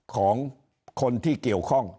ของคนที่เกี่ยวข้อง